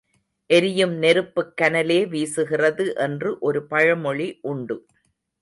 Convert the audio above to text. எரியும் நெருப்புக் கனலே வீசுகிறது என்று ஒரு பழமொழி உண்டு.